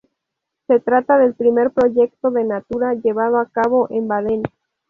Se trata del primer proyecto de natura llevado a cabo en Baden.